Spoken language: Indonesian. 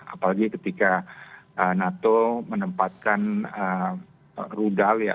apalagi ketika nato menempatkan rudal ya